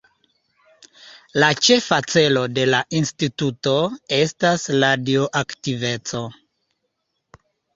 La ĉefa celo de la Instituto estas radioaktiveco.